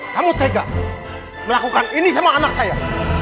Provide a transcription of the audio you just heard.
kamu tega melakukan ini sama anak saya